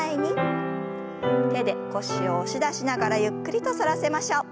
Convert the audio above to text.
手で腰を押し出しながらゆっくりと反らせましょう。